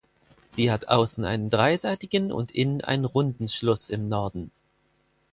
Sie hat außen einen dreiseitigen und innen einen runden Schluss im Norden.